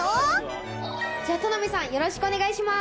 じゃあタナベさんよろしくお願いします！